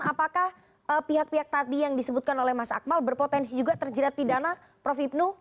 apakah pihak pihak tadi yang disebutkan oleh mas akmal berpotensi juga terjerat pidana prof hipnu